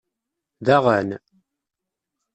Daɣen!